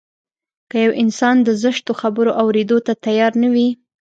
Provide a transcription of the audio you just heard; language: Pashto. که يو انسان د زشتو خبرو اورېدو ته تيار نه وي.